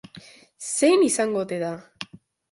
Zein izango ote da?